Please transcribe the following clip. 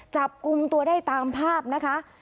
จับกลุ่มตัวได้ตามภาพนะคะ